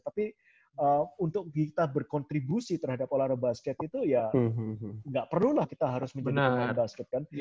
tapi untuk kita berkontribusi terhadap olahraga basket itu ya nggak perlulah kita harus menjadi pemain basket kan